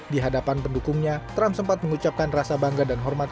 di hadapan pendukungnya trump sempat mengucapkan rasa bangga dan hormat